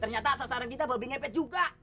ternyata sasaran kita bobi ngepet juga